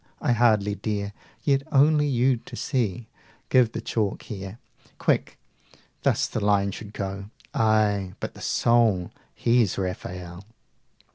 I hardly dare ... yet, only you to see, 195 Give the chalk here quick, thus the line should go! Aye, but the soul! he's Rafael!